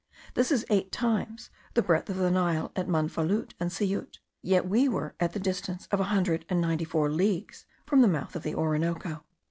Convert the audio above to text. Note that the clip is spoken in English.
This is eight times the breadth of the Nile at Manfalout and Syout, yet we were at the distance of a hundred and ninety four leagues from the mouth of the Orinoco.